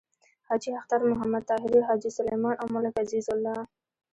حاجی اختر محمد طاهري، حاجی سلیمان او ملک عزیز الله…